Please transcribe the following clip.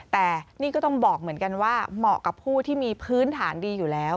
แต่นี่ก็ต้องบอกเหมือนกันว่าเหมาะกับผู้ที่มีพื้นฐานดีอยู่แล้ว